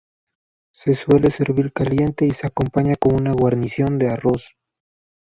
Se suele servir caliente y se acompaña con una guarnición de arroz.